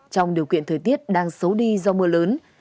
trong điều kiện thời tiết đang xấu đi do mưa lớn